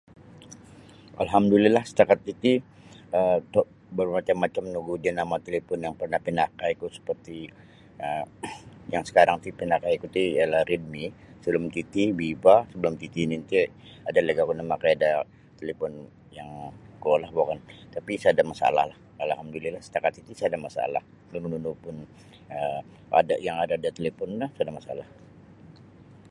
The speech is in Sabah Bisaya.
Alhamdulilah setakat titi um dok bermacam-macam nogu jenama talipon yang parnah pinakaiku seperti um yang sekarang ti pinakaiku ti ialah Redmi sebelum titi Viva sebelum titi nu iti ada lagi' oku namakai da talipon yang kuolah wokon tapi' sada' masalahlah alhamdulillah setakat titi sada masalah nunu-nunu pun um yang ada da talipon no sada masalah.